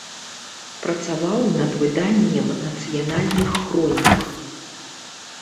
Працаваў над выданнем нацыянальных хронік.